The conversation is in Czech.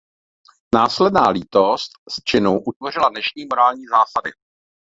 Následná lítost z činu utvořila dnešní morální zásady.